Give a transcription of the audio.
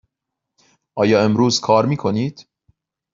آیا امروز کار می کنید؟